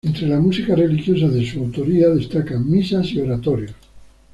Entre la música religiosa de su autoría destacan misas y oratorios.